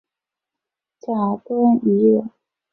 贾敦颐人。